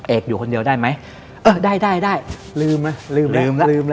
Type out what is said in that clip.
เอกอยู่คนเดียวได้ไหมเออได้เริ่มแล้ว